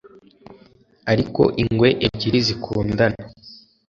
Ariko ingwe ebyiri zikundana